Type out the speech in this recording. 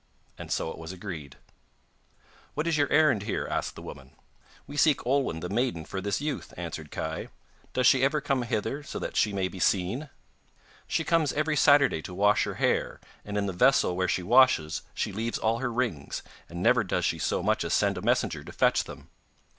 And so it was agreed. 'What is your errand here?' asked the woman. 'We seek Olwen the maiden for this youth,' answered Kai; 'does she ever come hither so that she may be seen?' 'She comes every Saturday to wash her hair, and in the vessel where she washes she leaves all her rings, and never does she so much as send a messenger to fetch them.